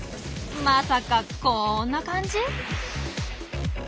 まさかこんな感じ？